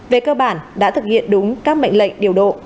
về cơ bản đã thực hiện đúng các mệnh lệnh điều độ